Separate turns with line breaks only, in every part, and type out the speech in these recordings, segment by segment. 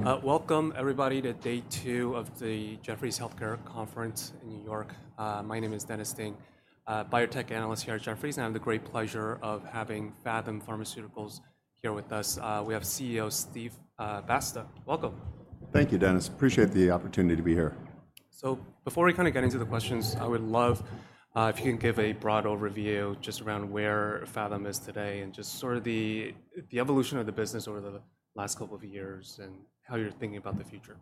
All right. Great. Welcome, everybody, to day two of the Jefferies Healthcare Conference in New York. My name is Dennis Ding, biotech analyst here at Jefferies, and I have the great pleasure of having Phathom Pharmaceuticals here with us. We have CEO Steve Basta. Welcome.
Thank you, Dennis. Appreciate the opportunity to be here.
Before we kind of get into the questions, I would love if you can give a broad overview just around where Phathom is today and just sort of the evolution of the business over the last couple of years and how you're thinking about the future.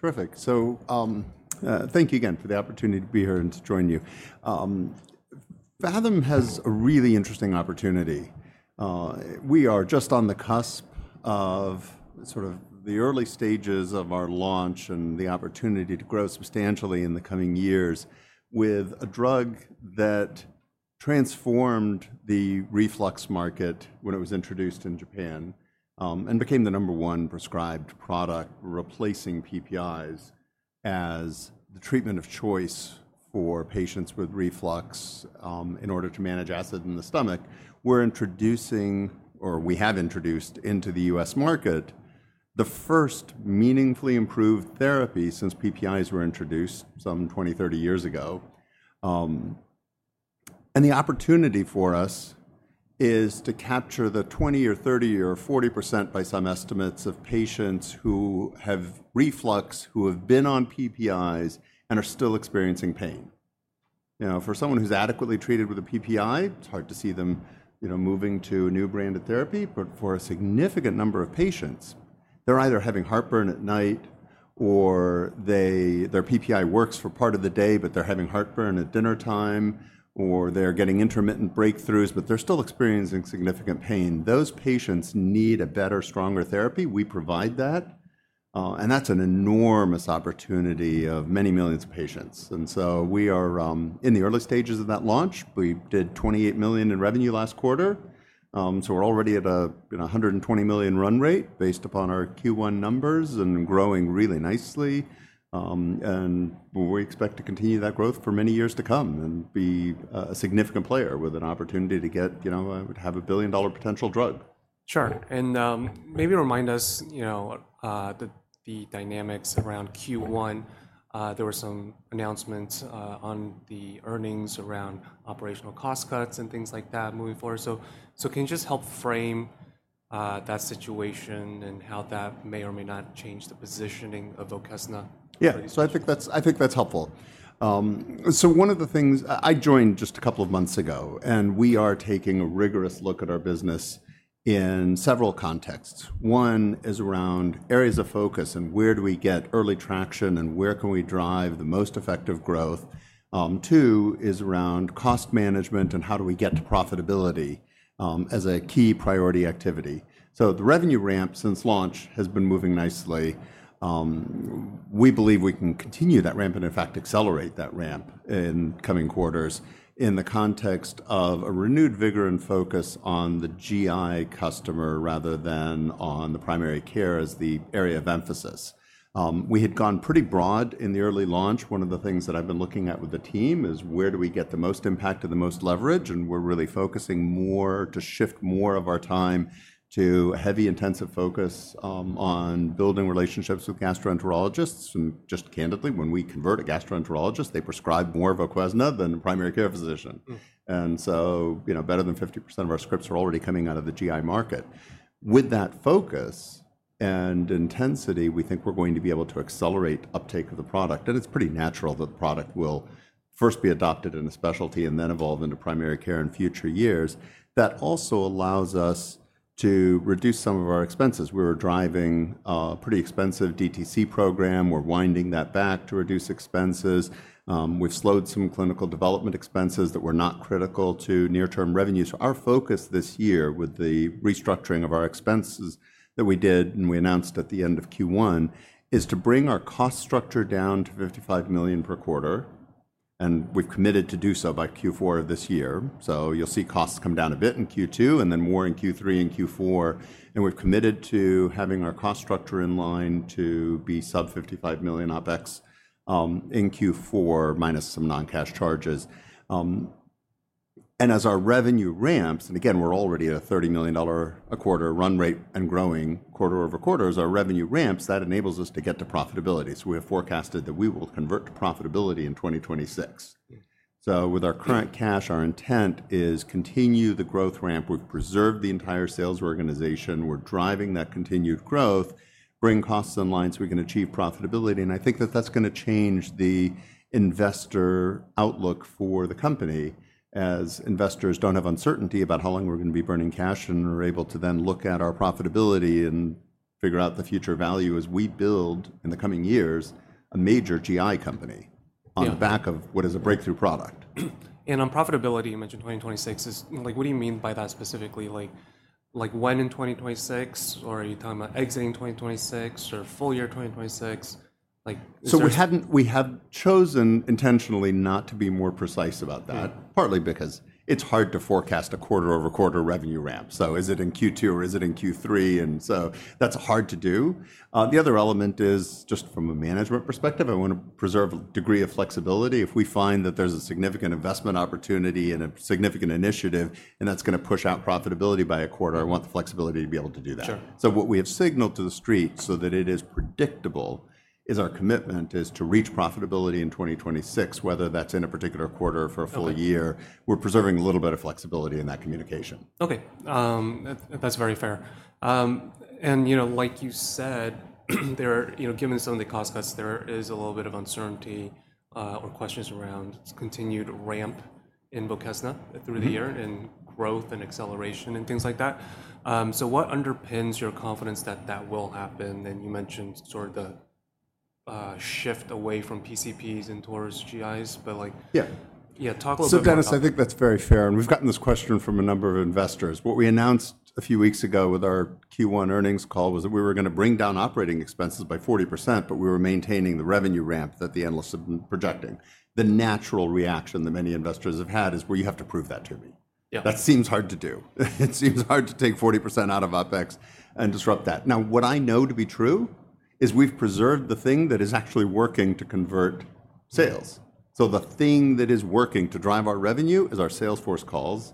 Terrific. Thank you again for the opportunity to be here and to join you. Phathom has a really interesting opportunity. We are just on the cusp of sort of the early stages of our launch and the opportunity to grow substantially in the coming years with a drug that transformed the reflux market when it was introduced in Japan and became the number one prescribed product, replacing PPIs as the treatment of choice for patients with reflux in order to manage acid in the stomach. We are introducing, or we have introduced, into the U.S. market the first meaningfully improved therapy since PPIs were introduced some 20-30 years ago. The opportunity for us is to capture the 20% or 30% or 40%, by some estimates, of patients who have reflux, who have been on PPIs, and are still experiencing pain. Now, for someone who's adequately treated with a PPI, it's hard to see them moving to a new brand of therapy. For a significant number of patients, they're either having heartburn at night, or their PPI works for part of the day, but they're having heartburn at dinner time, or they're getting intermittent breakthroughs, but they're still experiencing significant pain. Those patients need a better, stronger therapy. We provide that. That's an enormous opportunity of many millions of patients. We are in the early stages of that launch. We did $28 million in revenue last quarter. We're already at a $120 million run rate based upon our Q1 numbers and growing really nicely. We expect to continue that growth for many years to come and be a significant player with an opportunity to get a billion-dollar potential drug.
Sure. And maybe remind us the dynamics around Q1. There were some announcements on the earnings around operational cost cuts and things like that moving forward. So can you just help frame that situation and how that may or may not change the positioning of VOQUEZNA?
Yeah. I think that's helpful. One of the things, I joined just a couple of months ago, and we are taking a rigorous look at our business in several contexts. One is around areas of focus and where do we get early traction and where can we drive the most effective growth. Two is around cost management and how do we get to profitability as a key priority activity. The revenue ramp since launch has been moving nicely. We believe we can continue that ramp and, in fact, accelerate that ramp in coming quarters in the context of a renewed vigor and focus on the GI customer rather than on the primary care as the area of emphasis. We had gone pretty broad in the early launch. One of the things that I've been looking at with the team is where do we get the most impact and the most leverage. We're really focusing more to shift more of our time to heavy, intensive focus on building relationships with gastroenterologists. Just candidly, when we convert a gastroenterologist, they prescribe more VOQUEZNA than a primary care physician. Better than 50% of our scripts are already coming out of the GI market. With that focus and intensity, we think we're going to be able to accelerate uptake of the product. It's pretty natural that the product will first be adopted in a specialty and then evolve into primary care in future years. That also allows us to reduce some of our expenses. We were driving a pretty expensive DTC program. We're winding that back to reduce expenses. We've slowed some clinical development expenses that were not critical to near-term revenues. Our focus this year with the restructuring of our expenses that we did and we announced at the end of Q1 is to bring our cost structure down to $55 million per quarter. We've committed to do so by Q4 of this year. You'll see costs come down a bit in Q2 and then more in Q3 and Q4. We've committed to having our cost structure in line to be sub-$55 million OpEx in Q4, minus some non-cash charges. As our revenue ramps, and again, we're already at a $30 million a quarter run rate and growing quarter-over-quarter, as our revenue ramps, that enables us to get to profitability. We have forecasted that we will convert to profitability in 2026. With our current cash, our intent is to continue the growth ramp. We've preserved the entire sales organization. We're driving that continued growth, bringing costs in line so we can achieve profitability. I think that that's going to change the investor outlook for the company as investors don't have uncertainty about how long we're going to be burning cash and are able to then look at our profitability and figure out the future value as we build, in the coming years, a major GI company on the back of what is a breakthrough product.
On profitability, you mentioned 2026. What do you mean by that specifically? When in 2026, or are you talking about exiting 2026 or full year 2026?
We have chosen intentionally not to be more precise about that, partly because it's hard to forecast a quarter-over-quarter revenue ramp. Is it in Q2 or is it in Q3? That's hard to do. The other element is just from a management perspective, I want to preserve a degree of flexibility. If we find that there's a significant investment opportunity and a significant initiative and that's going to push out profitability by a quarter, I want the flexibility to be able to do that. What we have signaled to the street so that it is predictable is our commitment is to reach profitability in 2026, whether that's in a particular quarter or for a full year. We're preserving a little bit of flexibility in that communication.
Okay. That's very fair. And like you said, given some of the cost cuts, there is a little bit of uncertainty or questions around continued ramp in VOQUEZNA through the year and growth and acceleration and things like that. So what underpins your confidence that that will happen? And you mentioned sort of the shift away from PCPs and towards GIs. But yeah, talk a little bit about that.
Dennis, I think that's very fair. We've gotten this question from a number of investors. What we announced a few weeks ago with our Q1 earnings call was that we were going to bring down operating expenses by 40%, but we were maintaining the revenue ramp that the analysts had been projecting. The natural reaction that many investors have had is, "You have to prove that to me." That seems hard to do. It seems hard to take 40% out of OpEx and disrupt that. What I know to be true is we've preserved the thing that is actually working to convert sales. The thing that is working to drive our revenue is our sales force calls.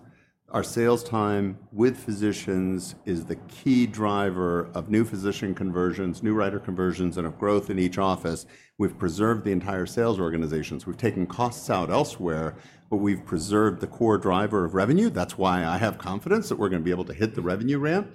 Our sales time with physicians is the key driver of new physician conversions, new writer conversions, and of growth in each office. We've preserved the entire sales organizations. We've taken costs out elsewhere, but we've preserved the core driver of revenue. That's why I have confidence that we're going to be able to hit the revenue ramp.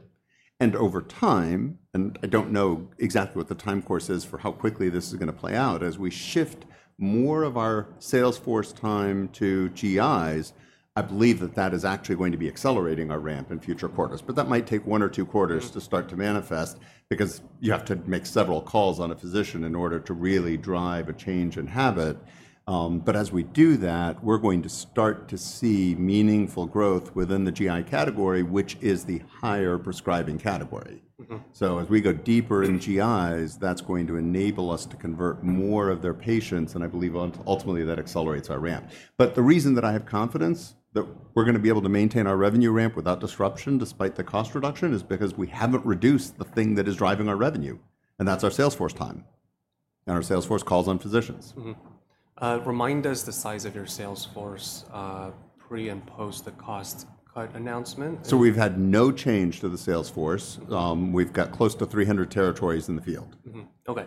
Over time, and I don't know exactly what the time course is for how quickly this is going to play out, as we shift more of our sales force time to GIs, I believe that that is actually going to be accelerating our ramp in future quarters. That might take one or two quarters to start to manifest because you have to make several calls on a physician in order to really drive a change in habit. As we do that, we're going to start to see meaningful growth within the GI category, which is the higher prescribing category. As we go deeper in GIs, that's going to enable us to convert more of their patients. I believe ultimately that accelerates our ramp. The reason that I have confidence that we're going to be able to maintain our revenue ramp without disruption despite the cost reduction is because we haven't reduced the thing that is driving our revenue, and that's our sales force time and our sales force calls on physicians.
Remind us the size of your sales force pre and post the cost cut announcement.
We've had no change to the sales force. We've got close to 300 territories in the field.
Okay.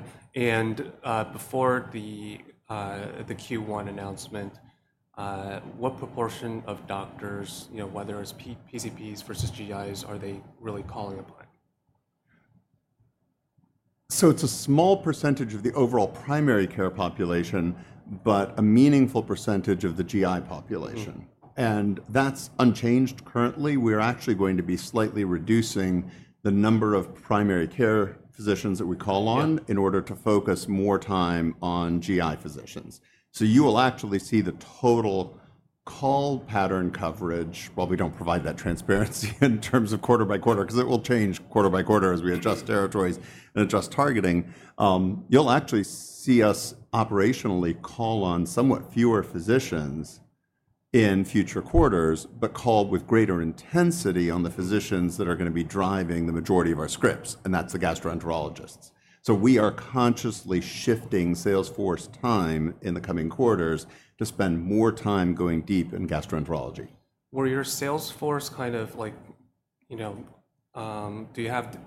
Before the Q1 announcement, what proportion of doctors, whether it's PCPs versus GIs, are they really calling upon?
It's a small percentage of the overall primary care population, but a meaningful percentage of the GI population. That is unchanged currently. We are actually going to be slightly reducing the number of primary care physicians that we call on in order to focus more time on GI physicians. You will actually see the total call pattern coverage. We do not provide that transparency in terms of quarter-by-quarter because it will change quarter-by-quarter as we adjust territories and adjust targeting. You will actually see us operationally call on somewhat fewer physicians in future quarters, but call with greater intensity on the physicians that are going to be driving the majority of our scripts. That is the gastroenterologists. We are consciously shifting sales force time in the coming quarters to spend more time going deep in gastroenterology.
Were your sales force kind of like--do you have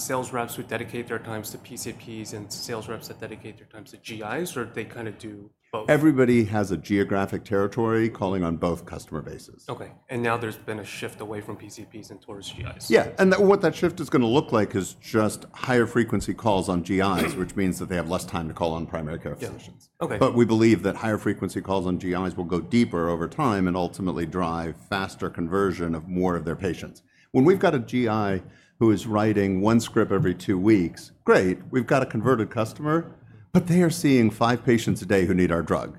sales reps who dedicate their times to PCPs and sales reps that dedicate their times to GIs, or do they kind of do both?
Everybody has a geographic territory calling on both customer bases.
Okay. There has been a shift away from PCPs and towards GIs.
Yeah. What that shift is going to look like is just higher frequency calls on GIs, which means that they have less time to call on primary care physicians. We believe that higher frequency calls on GIs will go deeper over time and ultimately drive faster conversion of more of their patients. When we've got a GI who is writing one script every two weeks, great. We've got a converted customer, but they are seeing five patients a day who need our drug.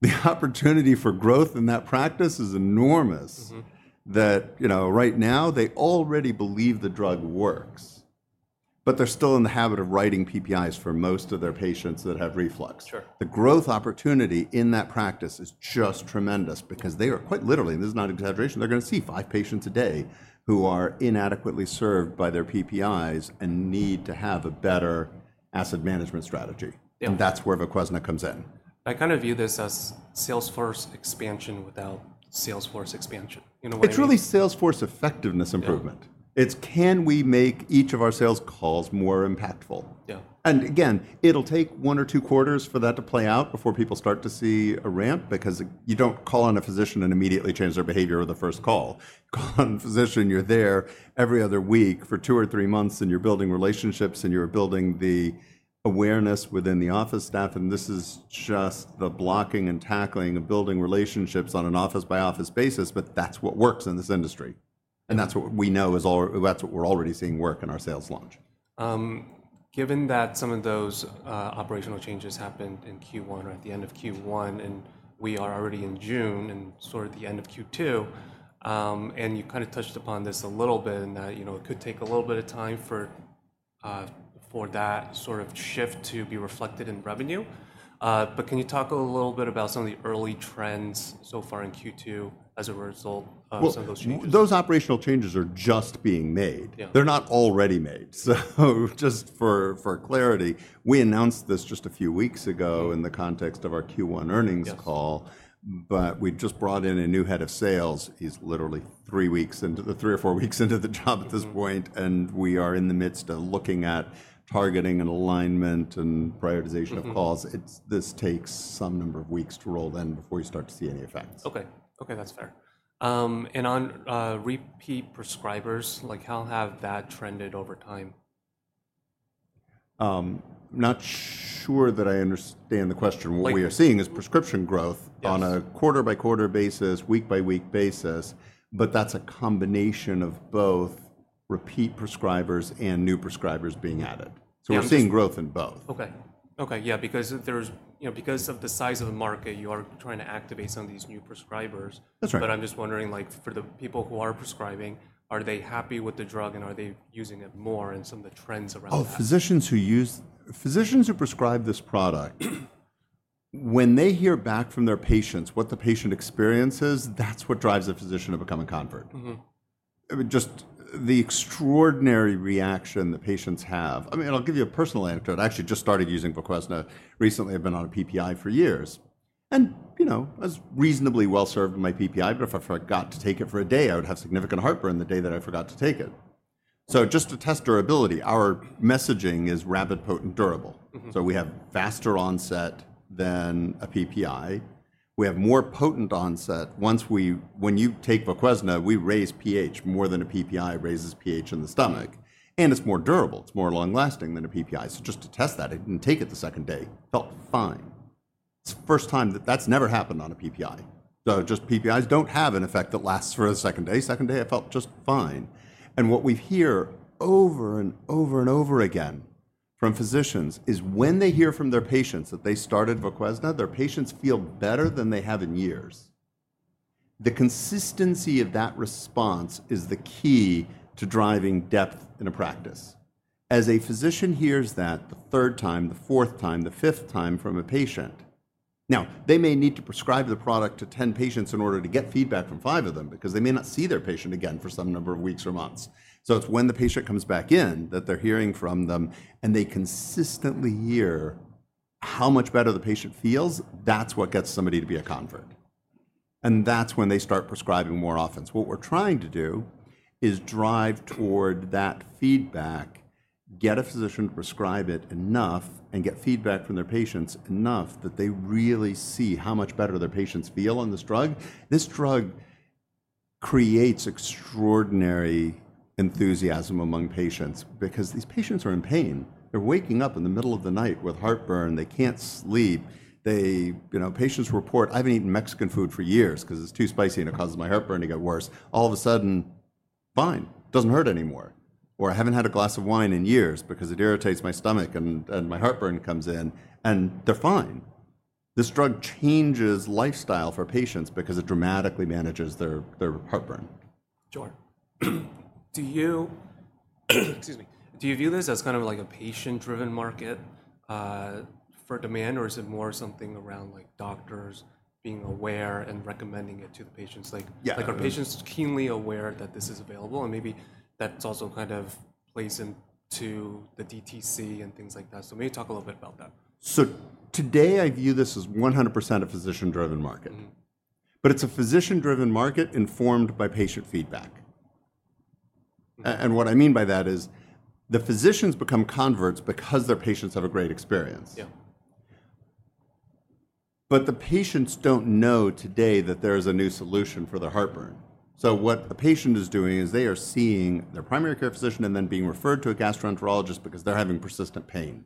The opportunity for growth in that practice is enormous. Right now they already believe the drug works, but they're still in the habit of writing PPIs for most of their patients that have reflux. The growth opportunity in that practice is just tremendous because they are quite literally—and this is not exaggeration—they're going to see five patients a day who are inadequately served by their PPIs and need to have a better acid management strategy. That is where VOQUEZNA comes in.
I kind of view this as sales force expansion without sales force expansion.
It's really sales force effectiveness improvement. It's can we make each of our sales calls more impactful? Again, it'll take one or two quarters for that to play out before people start to see a ramp because you don't call on a physician and immediately change their behavior with the first call. Call on a physician, you're there every other week for two or three months, and you're building relationships, and you're building the awareness within the office staff. This is just the blocking and tackling of building relationships on an office-by-office basis, but that's what works in this industry. That's what we know is—that's what we're already seeing work in our sales launch.
Given that some of those operational changes happened in Q1 or at the end of Q1, and we are already in June and sort of the end of Q2, and you kind of touched upon this a little bit in that it could take a little bit of time for that sort of shift to be reflected in revenue. Can you talk a little bit about some of the early trends so far in Q2 as a result of some of those changes?
Those operational changes are just being made. They're not already made. Just for clarity, we announced this just a few weeks ago in the context of our Q1 earnings call, but we've just brought in a new Head of Sales. He's literally three or four weeks into the job at this point, and we are in the midst of looking at targeting and alignment and prioritization of calls. This takes some number of weeks to roll then before you start to see any effects.
Okay. Okay. That's fair. On repeat prescribers, how have that trended over time?
I'm not sure that I understand the question. What we are seeing is prescription growth on a quarter-by-quarter basis, week-by-week basis, but that's a combination of both repeat prescribers and new prescribers being added. So we're seeing growth in both.
Okay. Okay. Yeah. Because of the size of the market, you are trying to activate some of these new prescribers.
That's right.
I'm just wondering, for the people who are prescribing, are they happy with the drug, and are they using it more and some of the trends around that?
Oh, physicians who use physicians who prescribe this product, when they hear back from their patients what the patient experiences, that's what drives a physician to become a convert. Just the extraordinary reaction the patients have. I mean, I'll give you a personal anecdote. I actually just started using VOQUEZNA recently. I've been on a PPI for years. And I was reasonably well served on my PPI, but if I forgot to take it for a day, I would have significant heartburn the day that I forgot to take it. Just to test durability, our messaging is rapid, potent, durable. We have faster onset than a PPI. We have more potent onset. When you take VOQUEZNA, we raise pH more than a PPI raises pH in the stomach, and it's more durable. It's more long-lasting than a PPI. Just to test that, I did not take it the second day. Felt fine. It is the first time that has never happened on a PPI. PPIs just do not have an effect that lasts for the second day. Second day, I felt just fine. What we hear over and over again from physicians is when they hear from their patients that they started VOQUEZNA, their patients feel better than they have in years. The consistency of that response is the key to driving depth in a practice. As a physician hears that the third time, the fourth time, the fifth time from a patient, they may need to prescribe the product to 10 patients in order to get feedback from five of them because they may not see their patient again for some number of weeks or months. It's when the patient comes back in that they're hearing from them, and they consistently hear how much better the patient feels. That's what gets somebody to be a convert. That's when they start prescribing more often. What we're trying to do is drive toward that feedback, get a physician to prescribe it enough, and get feedback from their patients enough that they really see how much better their patients feel on this drug. This drug creates extraordinary enthusiasm among patients because these patients are in pain. They're waking up in the middle of the night with heartburn. They can't sleep. Patients report, "I haven't eaten Mexican food for years because it's too spicy and it causes my heartburn to get worse." All of a sudden, fine. Doesn't hurt anymore. I haven't had a glass of wine in years because it irritates my stomach and my heartburn comes in." They are fine. This drug changes lifestyle for patients because it dramatically manages their heartburn.
Sure. Do you view this as kind of like a patient-driven market for demand, or is it more something around doctors being aware and recommending it to the patients? Are patients keenly aware that this is available? Maybe that also kind of plays into the DTC and things like that. Maybe talk a little bit about that.
Today I view this as 100% a physician-driven market. It is a physician-driven market informed by patient feedback. What I mean by that is the physicians become converts because their patients have a great experience. The patients do not know today that there is a new solution for their heartburn. What the patient is doing is they are seeing their primary care physician and then being referred to a gastroenterologist because they are having persistent pain.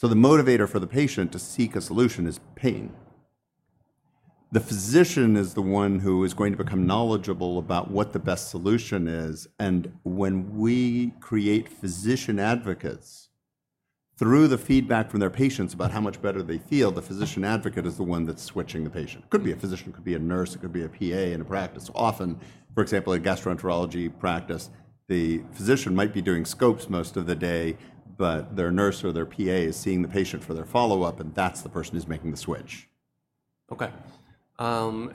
The motivator for the patient to seek a solution is pain. The physician is the one who is going to become knowledgeable about what the best solution is. When we create physician advocates through the feedback from their patients about how much better they feel, the physician advocate is the one that is switching the patient. It could be a physician, it could be a nurse, it could be a PA in a practice. Often, for example, a gastroenterology practice, the physician might be doing scopes most of the day, but their nurse or their PA is seeing the patient for their follow-up, and that's the person who's making the switch.
Okay. Talk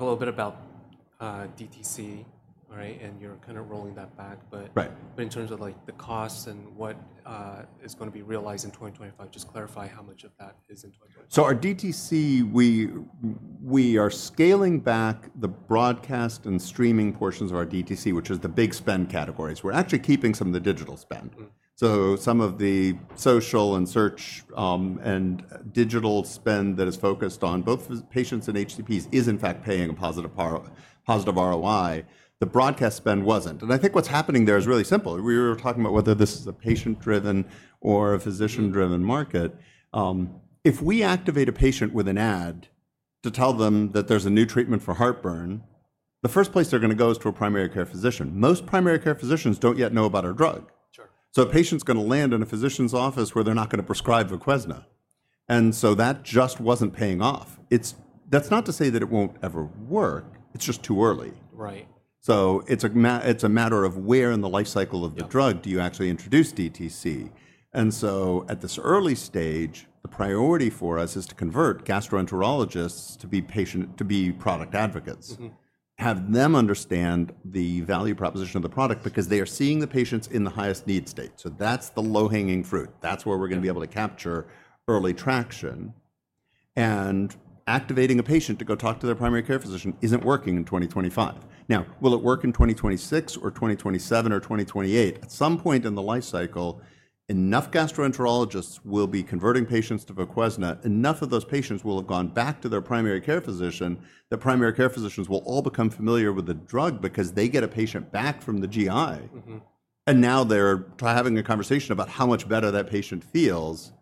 a little bit about DTC, right, and you're kind of rolling that back. In terms of the cost and what is going to be realized in 2025, just clarify how much of that is in 2025.
Our DTC, we are scaling back the broadcast and streaming portions of our DTC, which is the big spend categories. We're actually keeping some of the digital spend. Some of the social and search and digital spend that is focused on both patients and HCPs is, in fact, paying a positive ROI. The broadcast spend was not. I think what's happening there is really simple. We were talking about whether this is a patient-driven or a physician-driven market. If we activate a patient with an ad to tell them that there's a new treatment for heartburn, the first place they're going to go is to a primary care physician. Most primary care physicians do not yet know about our drug. A patient is going to land in a physician's office where they're not going to prescribe VOQUEZNA. That just was not paying off. That's not to say that it won't ever work. It's just too early. It's a matter of where in the life cycle of the drug do you actually introduce DTC? At this early stage, the priority for us is to convert gastroenterologists to be product advocates, have them understand the value proposition of the product because they are seeing the patients in the highest need state. That's the low-hanging fruit. That's where we're going to be able to capture early traction. Activating a patient to go talk to their primary care physician isn't working in 2025. Now, will it work in 2026 or 2027 or 2028? At some point in the life cycle, enough gastroenterologists will be converting patients to VOQUEZNA. Enough of those patients will have gone back to their primary care physician. The primary care physicians will all become familiar with the drug because they get a patient back from the GI. And now they're having a conversation about how much better that patient feels.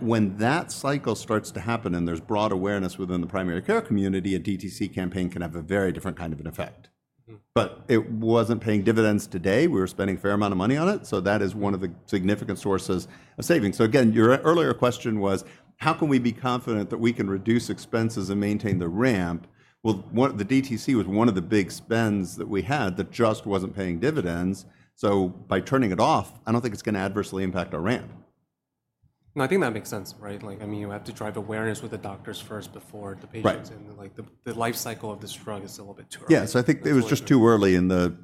When that cycle starts to happen and there's broad awareness within the primary care community, a DTC campaign can have a very different kind of an effect. But it wasn't paying dividends today. We were spending a fair amount of money on it. So that is one of the significant sources of savings. So again, your earlier question was, how can we be confident that we can reduce expenses and maintain the ramp? Well, the DTC was one of the big spends that we had that just wasn't paying dividends. So by turning it off, I don't think it's going to adversely impact our ramp.
No, I think that makes sense, right? I mean, you have to drive awareness with the doctors first before the patients. The life cycle of this drug is still a bit too early.
Yeah. I think it was just too early in the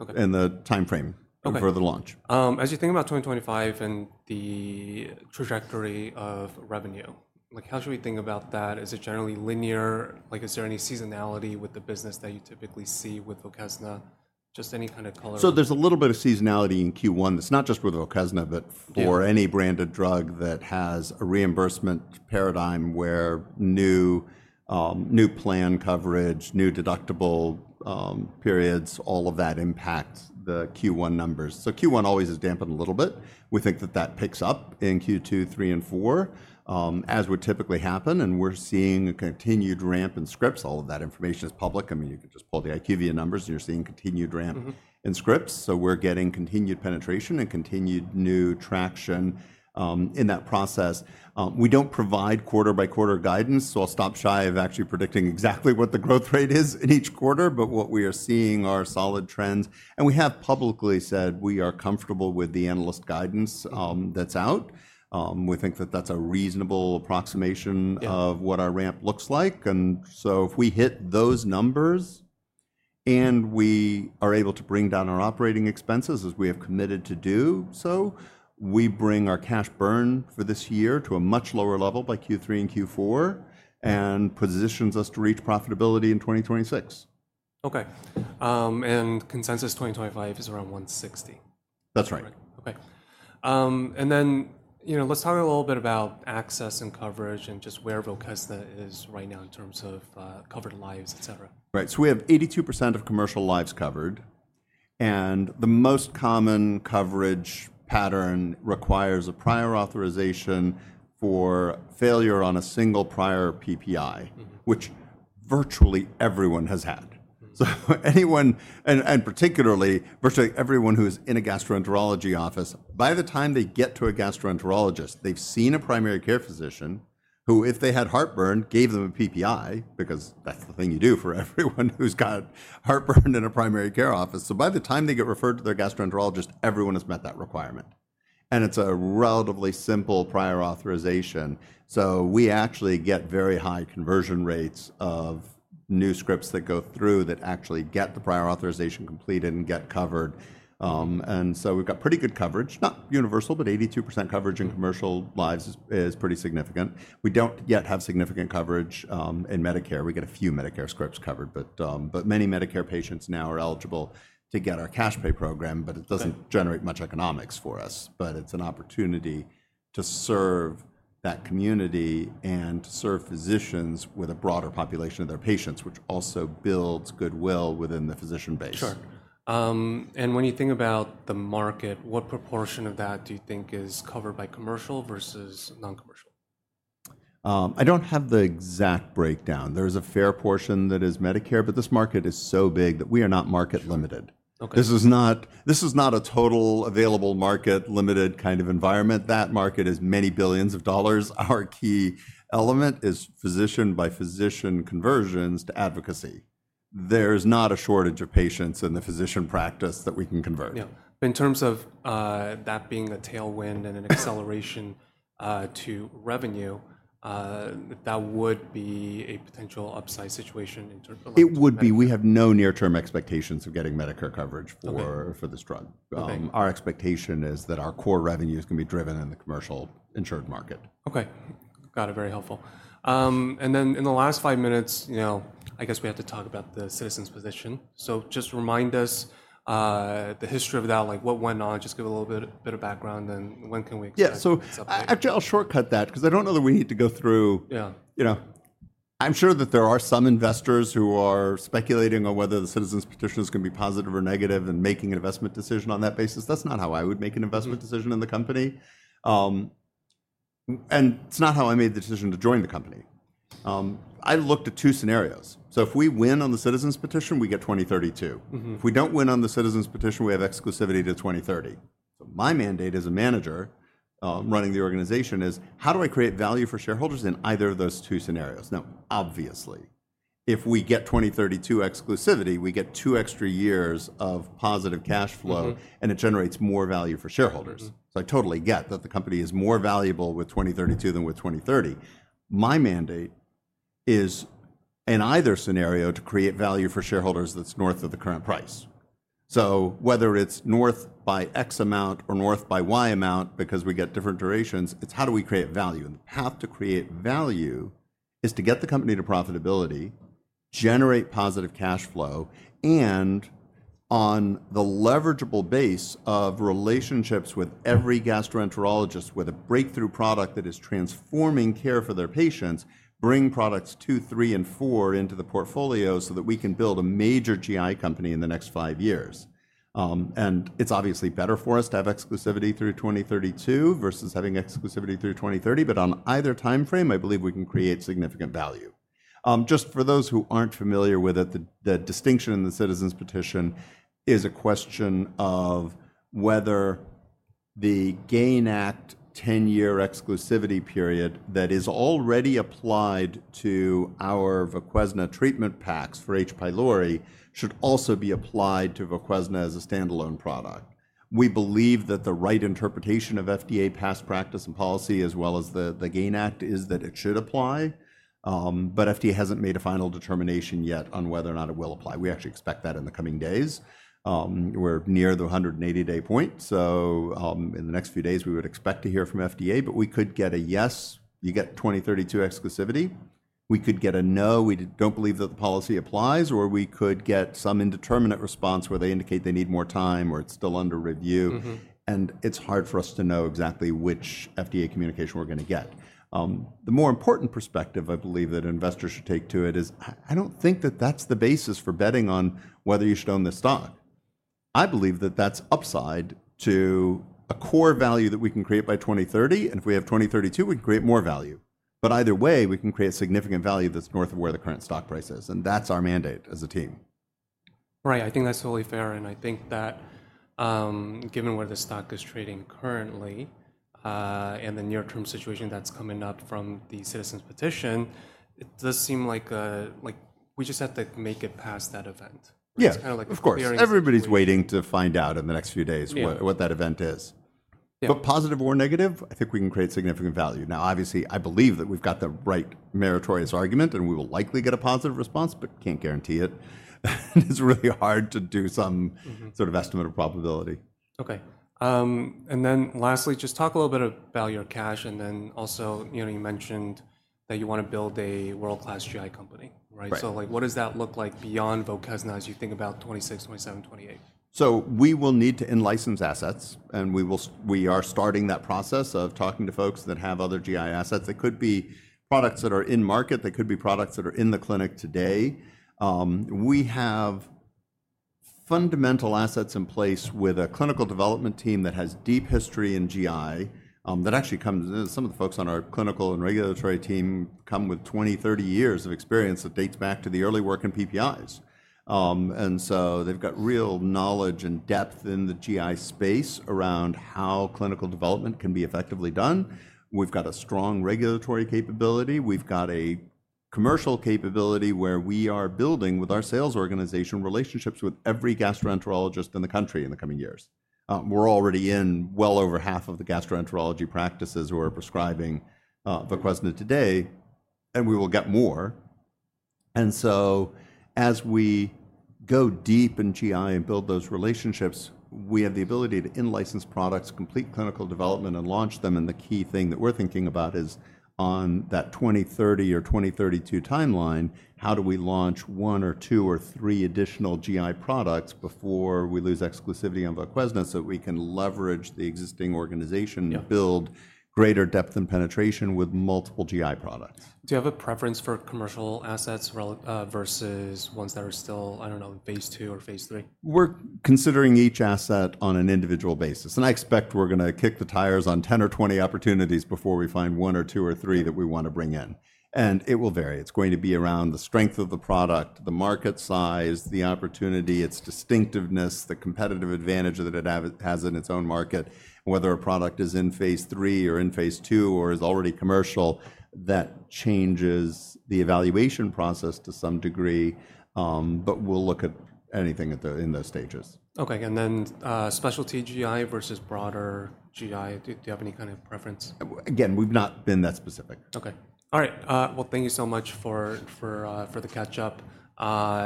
timeframe for the launch.
As you think about 2025 and the trajectory of revenue, how should we think about that? Is it generally linear? Is there any seasonality with the business that you typically see with VOQUEZNA? Just any kind of color.
There's a little bit of seasonality in Q1. It's not just with VOQUEZNA, but for any branded drug that has a reimbursement paradigm where new plan coverage, new deductible periods, all of that impacts the Q1 numbers. Q1 always is dampened a little bit. We think that that picks up in Q2, Q3, and Q4, as would typically happen. We're seeing a continued ramp in scripts. All of that information is public. I mean, you can just pull the IQVIA numbers, and you're seeing continued ramp in scripts. We're getting continued penetration and continued new traction in that process. We don't provide quarter-by-quarter guidance, so I'll stop shy of actually predicting exactly what the growth rate is in each quarter, but what we are seeing are solid trends. We have publicly said we are comfortable with the analyst guidance that's out. We think that that's a reasonable approximation of what our ramp looks like. If we hit those numbers and we are able to bring down our operating expenses as we have committed to do so, we bring our cash burn for this year to a much lower level by Q3 and Q4 and positions us to reach profitability in 2026.
Okay. And consensus 2025 is around 160.
That's right.
Okay. Let's talk a little bit about access and coverage and just where VOQUEZNA is right now in terms of covered lives, etc.
Right. We have 82% of commercial lives covered. The most common coverage pattern requires a prior authorization for failure on a single prior PPI, which virtually everyone has had. Particularly, virtually everyone who is in a gastroenterology office, by the time they get to a gastroenterologist, they have seen a primary care physician who, if they had heartburn, gave them a PPI because that is the thing you do for everyone who has heartburn in a primary care office. By the time they get referred to their gastroenterologist, everyone has met that requirement. It is a relatively simple prior authorization. We actually get very high conversion rates of new scripts that go through that actually get the prior authorization completed and get covered. We have pretty good coverage. Not universal, but 82% coverage in commercial lives is pretty significant. We don't yet have significant coverage in Medicare. We get a few Medicare scripts covered, but many Medicare patients now are eligible to get our cash pay program, but it doesn't generate much economics for us. It's an opportunity to serve that community and to serve physicians with a broader population of their patients, which also builds goodwill within the physician base.
Sure. When you think about the market, what proportion of that do you think is covered by commercial versus non-commercial?
I don't have the exact breakdown. There is a fair portion that is Medicare, but this market is so big that we are not market limited. This is not a total available market limited kind of environment. That market is many billions of dollars. Our key element is physician-by-physician conversions to advocacy. There is not a shortage of patients in the physician practice that we can convert.
Yeah. In terms of that being a tailwind and an acceleration to revenue, that would be a potential upside situation in terms of.
It would be. We have no near-term expectations of getting Medicare coverage for this drug. Our expectation is that our core revenue is going to be driven in the commercial insured market.
Okay. Got it. Very helpful. In the last five minutes, I guess we have to talk about the citizens' petition. Just remind us the history of that, like what went on, just give a little bit of background, and when can we expect something.
Yeah. Actually, I'll shortcut that because I don't know that we need to go through. I'm sure that there are some investors who are speculating on whether the citizens' petition is going to be positive or negative and making an investment decision on that basis. That's not how I would make an investment decision in the company. It's not how I made the decision to join the company. I looked at two scenarios. If we win on the citizens' petition, we get 2032. If we don't win on the citizens' petition, we have exclusivity to 2030. My mandate as a manager running the organization is, how do I create value for shareholders in either of those two scenarios? Obviously, if we get 2032 exclusivity, we get two extra years of positive cash flow, and it generates more value for shareholders. I totally get that the company is more valuable with 2032 than with 2030. My mandate is, in either scenario, to create value for shareholders that's north of the current price. Whether it's north by X amount or north by Y amount because we get different durations, it's how do we create value. The path to create value is to get the company to profitability, generate positive cash flow, and on the leverageable base of relationships with every gastroenterologist with a breakthrough product that is transforming care for their patients, bring products two, three, and four into the portfolio so that we can build a major GI company in the next five years. It's obviously better for us to have exclusivity through 2032 versus having exclusivity through 2030, but on either timeframe, I believe we can create significant value. Just for those who aren't familiar with it, the distinction in the citizens' petition is a question of whether the GAIN Act 10-year exclusivity period that is already applied to our VOQUEZNA treatment packs for H. pylori should also be applied to VOQUEZNA as a standalone product. We believe that the right interpretation of FDA past practice and policy, as well as the GAIN Act, is that it should apply. FDA hasn't made a final determination yet on whether or not it will apply. We actually expect that in the coming days. We're near the 180-day point. In the next few days, we would expect to hear from FDA, but we could get a yes, you get 2032 exclusivity. We could get a no, we do not believe that the policy applies, or we could get some indeterminate response where they indicate they need more time or it is still under review. It is hard for us to know exactly which FDA communication we are going to get. The more important perspective I believe that investors should take to it is, I do not think that that is the basis for betting on whether you should own this stock. I believe that that is upside to a core value that we can create by 2030. If we have 2032, we can create more value. Either way, we can create significant value that is north of where the current stock price is. That is our mandate as a team.
Right. I think that's totally fair. I think that given where the stock is trading currently and the near-term situation that's coming up from the citizens' petition, it does seem like we just have to make it past that event. It's kind of like hearing.
Yeah. Of course. Everybody's waiting to find out in the next few days what that event is. Positive or negative, I think we can create significant value. Now, obviously, I believe that we've got the right meritorious argument, and we will likely get a positive response, but can't guarantee it. It's really hard to do some sort of estimate of probability.
Okay. Lastly, just talk a little bit about your cash. Also, you mentioned that you want to build a world-class GI company, right? What does that look like beyond VOQUEZNA as you think about 2026, 2027, 2028?
We will need to end license assets, and we are starting that process of talking to folks that have other GI assets. They could be products that are in market. They could be products that are in the clinic today. We have fundamental assets in place with a clinical development team that has deep history in GI that actually comes in. Some of the folks on our clinical and regulatory team come with 20, 30 years of experience that dates back to the early work in PPIs. They have real knowledge and depth in the GI space around how clinical development can be effectively done. We have a strong regulatory capability. We have a commercial capability where we are building with our sales organization relationships with every gastroenterologist in the country in the coming years. We're already in well over half of the gastroenterology practices who are prescribing VOQUEZNA today, and we will get more. As we go deep in GI and build those relationships, we have the ability to end license products, complete clinical development, and launch them. The key thing that we're thinking about is on that 2030 or 2032 timeline, how do we launch one or two or three additional GI products before we lose exclusivity on VOQUEZNA so that we can leverage the existing organization and build greater depth and penetration with multiple GI products.
Do you have a preference for commercial assets versus ones that are still, I don't know, phase II or phase III?
We're considering each asset on an individual basis. I expect we're going to kick the tires on 10 or 20 opportunities before we find one or two or three that we want to bring in. It will vary. It's going to be around the strength of the product, the market size, the opportunity, its distinctiveness, the competitive advantage that it has in its own market. Whether a product is in phase III or in phase II or is already commercial, that changes the evaluation process to some degree. We'll look at anything in those stages.
Okay. And then specialty GI versus broader GI, do you have any kind of preference?
Again, we've not been that specific.
Okay. All right. Thank you so much for the catch-up.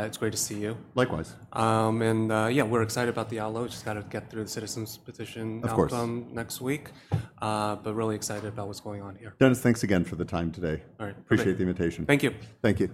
It's great to see you.
Likewise.
Yeah, we're excited about the outlook. Just got to get through the citizens' petition next week, but really excited about what's going on here.
Dennis, thanks again for the time today.
All right.
Appreciate the invitation.
Thank you.
Thank you.